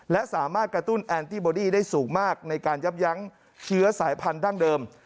และสามารถกระตุ้นแอนตี้บอดี้ได้สูงมากในการยับยั้งเชื้อสายพันธั้งเดิม